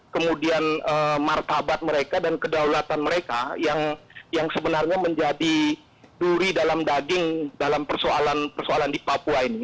kemudian martabat mereka dan kedaulatan mereka yang sebenarnya menjadi duri dalam daging dalam persoalan persoalan di papua ini